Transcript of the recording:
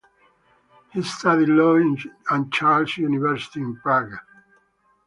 He studied law and Charles University in Prague.